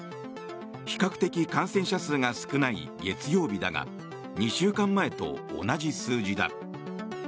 比較的感染者数が少ない月曜日だが２週間前と同じ数字だ。